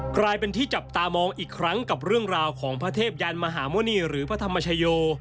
กลายเป็นที่จับตามองอีกครั้งกับเรื่องราวของพระเทพยานมหาหมุณีหรือพระธรรมชโย